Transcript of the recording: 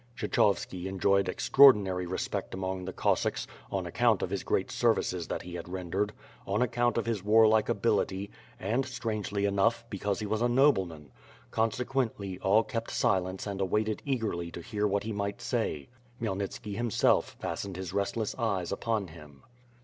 Kshechovski enjoyed extraordinary respect among the Cossacks, on account of the great services that he had ren dered; on account of his warlike ability; and, strangely enough, because he was a nobleman. Consequently, all kept silence and awaited eagerly to hear what he might say. Khmyelnitski himself fastened his restless eyes upon him.